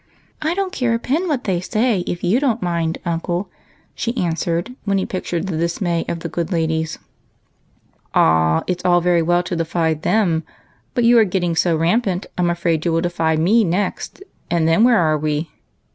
"I don't care a pin what they say if you don't mind, uncle," she answered, when he pictured the dismay of the good ladies. " Ah, it 's all very well to defy them., but you are getting so rampant, I 'm afraid you will defy me next, and then where are we